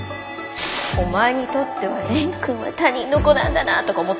お前にとっては蓮くんは他人の子なんだなとか思ってる？